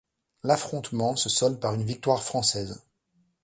L'affrontement se solde par une victoire française.